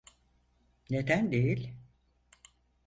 Neden değil?